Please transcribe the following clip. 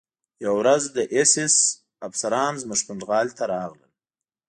یوه ورځ د اېس ایس افسران زموږ پنډغالي ته راغلل